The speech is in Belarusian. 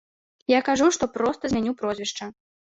Я кажу, што проста змяню прозвішча.